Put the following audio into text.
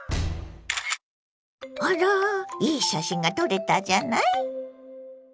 あらいい写真が撮れたじゃない。